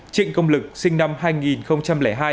trịnh công lực sinh năm hai nghìn hai